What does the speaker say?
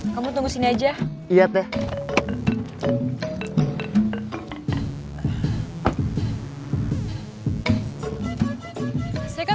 kamu tunggu sini aja